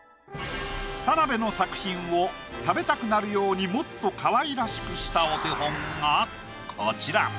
田辺の作品を食べたくなるようにもっと可愛らしくしたお手本がこちら。